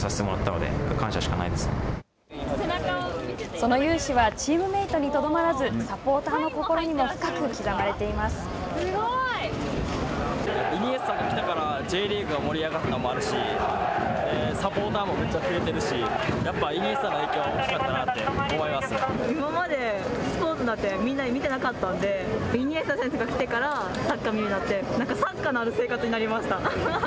その雄姿はチームメートにとどまらずサポーターの心にもイニエスタが来たからＪリーグが盛り上がったのもあるしサポーターもめっちゃ増えているしやっぱイニエスタの影響は大きかったなと今まで、スポーツなんてみんな、見てなかったのでイニエスタ選手が来てからサッカーを見るようになってなんかサッカーのある生活になりました。